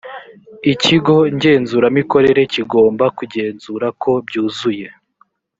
ikigo ngenzuramikorere kigomba kungenzura ko byuzuye